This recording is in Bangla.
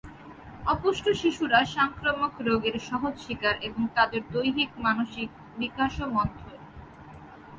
অপুষ্ট শিশুরা সংক্রামক রোগের সহজ শিকার এবং তাদের দৈহিক, মানসিক বিকাশও মন্থর।